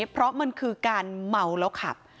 เพราะมันคือการเมาแล้วขับ